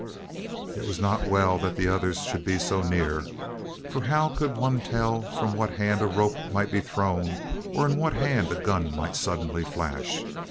It was not well that the others should be so near. For how could one tell from what hand a rope might be thrown or in what hand a gun might suddenly flash?